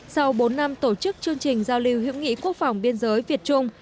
sau bốn năm tổ chức chương trình giao lưu hữu nghị quốc phòng biên giới việt trung